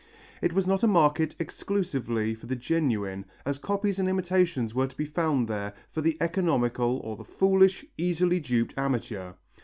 It was not a market exclusively for the genuine, as copies and imitations were to be found there for the economical or the foolish, easily duped amateur.